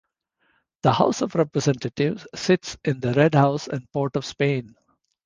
The House of Representatives sits in the Red House in Port of Spain.